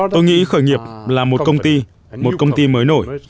tôi nghĩ khởi nghiệp là một công ty một công ty mới nổi